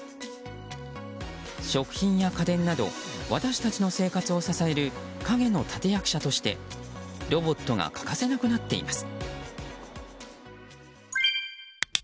食品や家電など私たちの生活を支える陰の立役者としてロボットが欠かせなくなっています。